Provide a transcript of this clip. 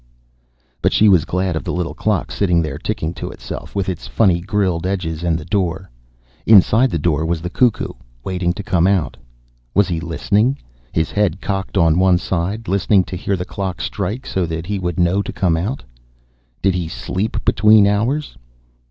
But she was glad of the little clock sitting there ticking to itself, with its funny grilled edges and the door. Inside the door was the cuckoo, waiting to come out. Was he listening, his head cocked on one side, listening to hear the clock strike so that he would know to come out? Did he sleep between hours?